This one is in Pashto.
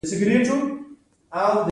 هغه له مخکینۍ برخې څخه مخ اړوي